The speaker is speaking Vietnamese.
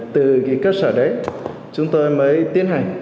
từ cơ sở đấy chúng tôi mới tiến hành